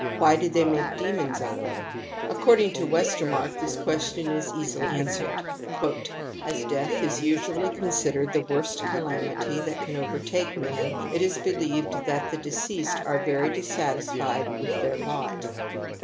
Why did they make demons out of them ? According to WestefH marck this question is easily answered *•." As I death is usually considered the worst calamity! that can overtake man, it is believed that the j deceased are very dissatisfied with their lot.